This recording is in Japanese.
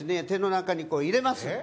手の中に入れます。